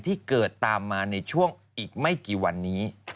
ที่เกิดตามมาในช่วงอีกไม่กี่วันนี้